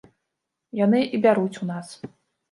Яны і бяруць у нас.